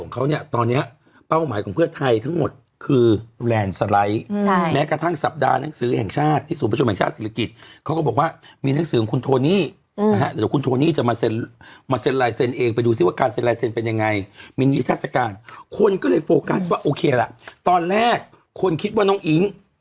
คนก็เลยว่าโอเคล่ะตอนแรกคนคิดว่าน้องอิ๋ง